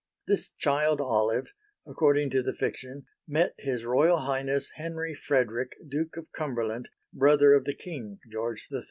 This child Olive, according to the fiction, met His Royal Highness Henry Frederick, Duke of Cumberland, brother of the King, George III.